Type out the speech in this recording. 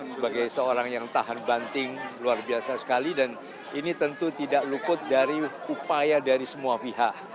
sebagai seorang yang tahan banting luar biasa sekali dan ini tentu tidak luput dari upaya dari semua pihak